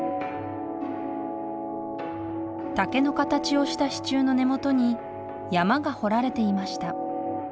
竹の形をした支柱の根本に山が彫られていました。